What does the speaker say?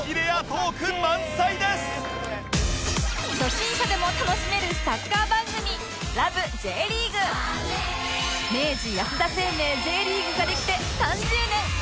初心者でも楽しめるサッカー番組明治安田生命 Ｊ リーグができて３０年！